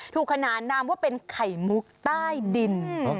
ถูกขนานราวว่าเป็นไขมุกใต้ดิน